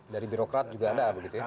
dari birokrat juga ada begitu ya